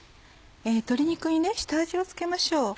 鶏肉に下味を付けましょう。